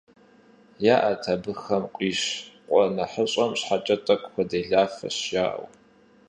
ЯӀэт абыхэм къуищ, къуэ нэхъыщӀэм щхьэкӀэ тӀэкӀу хуэделафэщ жаӀэу.